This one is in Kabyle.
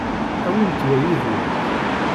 Awimt wa yid-went.